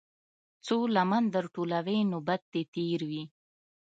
څــــو لمـــن در ټولـــوې نوبت دې تېر وي.